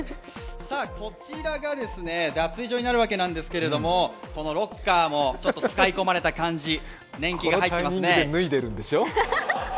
こちらが脱衣所になるわけなんですけれどもロッカーも使い込まれた感じ、年季が入っていますね。